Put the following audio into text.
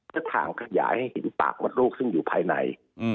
ถ่างขยายให้เห็นปากมดลูกซึ่งอยู่ภายใน